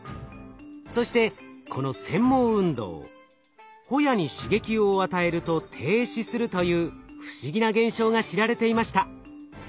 そしてこの繊毛運動ホヤに刺激を与えると停止するという不思議な現象が知られていました。